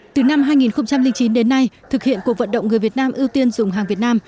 từ năm hai nghìn chín đến nay thực hiện cuộc vận động người việt nam ưu tiên dùng hàng việt nam